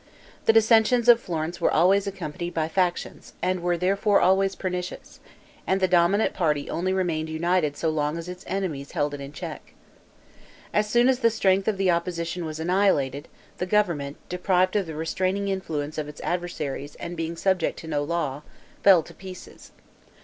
The dissensions of Florence were always accompanied by factions, and were therefore always pernicious; and the dominant party only remained united so long as its enemies held it in check. As soon as the strength of the opposition was annihilated, the government, deprived of the restraining influence of its adversaries, and being subject to no law, fell to pieces.